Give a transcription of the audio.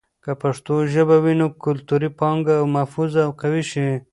که پښتو ژبه وي، نو کلتوري پانګه محفوظ او قوي شي.